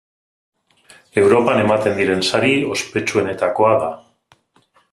Europan ematen diren sari ospetsuenetakoa da.